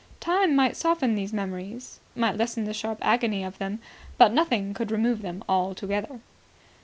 ... Time might soften these memories, might lessen the sharp agony of them; but nothing could remove them altogether.